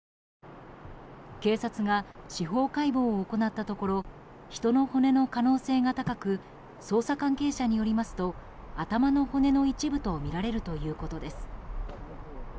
警察が司法解剖を行ったところ人の骨の可能性が高く捜査関係者によりますと頭の骨の一部とみられるということです。